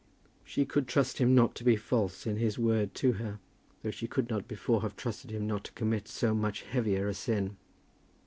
She could trust him not to be false in his word to her, though she could not before have trusted him not to commit so much heavier a sin.